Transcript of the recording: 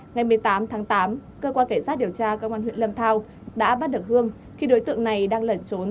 ngày một mươi tám tháng tám cơ quan cảnh sát điều tra công an huyện lâm thao đã bắt được hương